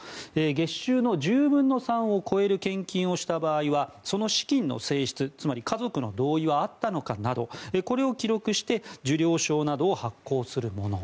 月収の１０分の３を超える献金をした場合はその資金の性質、つまり家族の同意はあったのかなどこれを記録して受領証などを発行するもの。